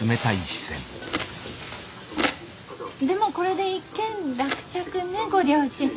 でもこれで一件落着ねご両親。